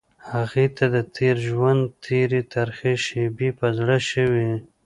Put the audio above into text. هغې ته د تېر ژوند تېرې ترخې شېبې په زړه شوې.